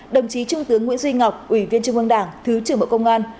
đồng chí trung tướng nguyễn duy ngọc ủy viên trung ương đảng thứ trưởng bộ công an